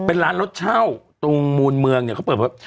เป็นร้านรถเช่าตรงมูลเมืองเนี่ย